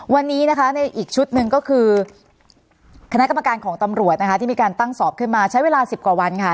วันนี้นะคะในอีกชุดหนึ่งก็คือคณะกรรมการของตำรวจนะคะที่มีการตั้งสอบขึ้นมาใช้เวลา๑๐กว่าวันค่ะ